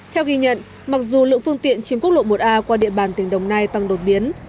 theo ghi nhận mặc dù lượng phương tiện trên quốc lộ một a qua địa bàn tỉnh đồng nai tăng đột biến